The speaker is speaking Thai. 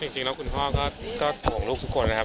จริงแล้วคุณพ่อก็ห่วงลูกทุกคนนะครับ